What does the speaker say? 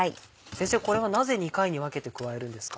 先生これはなぜ２回に分けて加えるんですか？